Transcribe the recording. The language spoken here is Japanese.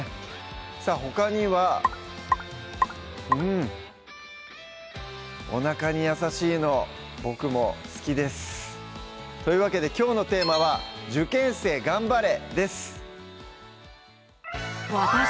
さぁほかにはうんお腹に優しいの僕も好きですというわけできょうのテーマは「受験生頑張れ！」です